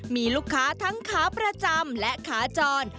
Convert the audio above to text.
มีลูกค้าทั้งขาประจำและขาจร